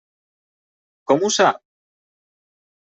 Com ho sap?